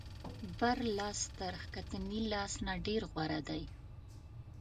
بر لاس تر ښکتني لاس نه ډېر غوره دی.